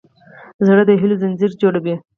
زړه د هيلو ځنځیر جوړوي.